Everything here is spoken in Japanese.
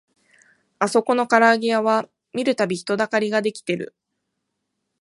あそこのからあげ屋は見るたび人だかりが出来てる